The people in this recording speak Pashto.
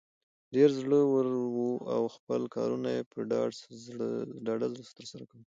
ډیر زړه ور وو او خپل کارونه یې په ډاډه زړه تر سره کول.